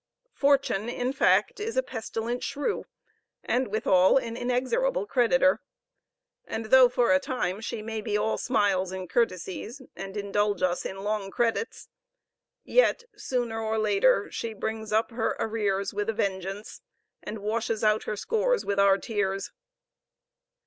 Fortune, in fact, is a pestilent shrew, and, withal, an inexorable creditor; and though for a time she may be all smiles and courtesies, and indulge us in long credits, yet sooner or later she brings up her arrears with a vengeance, and washes out her scores with our tears.